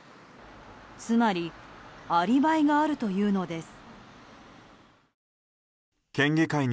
つまりアリバイがあるというのです。